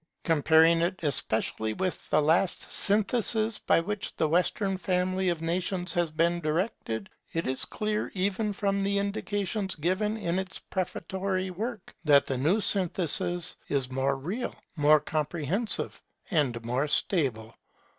Comparing it especially with the last synthesis by which the Western family of nations has been directed, it is clear even from the indications given in this prefatory work, that the new synthesis is more real, more comprehensive, and more stable.